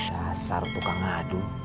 dasar buka ngadu